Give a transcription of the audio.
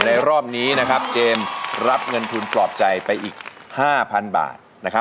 ในรอบนี้เจมส์รับเงินทุนครอบใจกว่า๕๐๐๐บาท